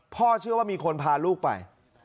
พ่อเชื่อว่ามีคนพาลูกไป